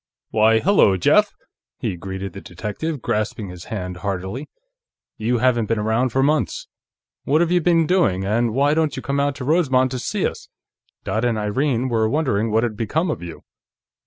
"Why, hello, Jeff!" he greeted the detective, grasping his hand heartily. "You haven't been around for months. What have you been doing, and why don't you come out to Rosemont to see us? Dot and Irene were wondering what had become of you."